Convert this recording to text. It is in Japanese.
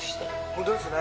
本当ですね。